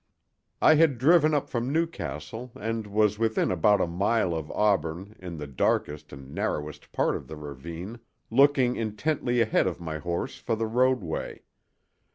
I had driven up from Newcastle and was within about a mile of Auburn in the darkest and narrowest part of the ravine, looking intently ahead of my horse for the roadway.